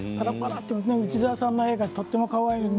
内澤さんの絵がとてもかわいい。